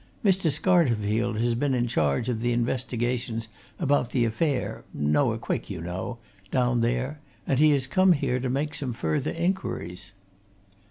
Mr. Scarterfield has been in charge of the investigations about the affair Noah Quick, you know down there, and he has come here to make some further inquiries."